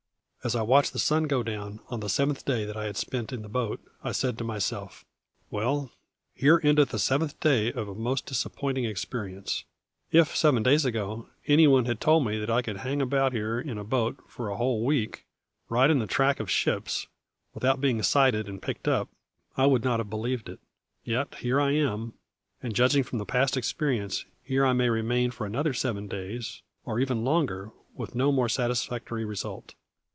As I watched the sun go down on the seventh day that I had spent in the boat I said to myself: "Well, here endeth the seventh day of a most disappointing experience. If, seven days ago, anyone had told me that I could hang about here in a boat for a whole week, right in the track of ships, without being sighted and picked up, I would not have believed it. Yet here I am, and, judging from past experience, here I may remain for another seven days, or even longer, with no more satisfactory result.